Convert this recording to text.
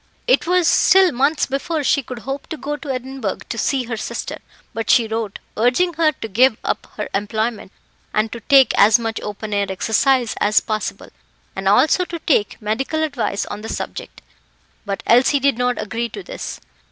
It was still months before she could hope to go to Edinburgh to see her sister; but she wrote, urging her to give up her employment, and to take as much open air exercise as possible, and also to take medical advice on the subject; but Elsie did not agree to this.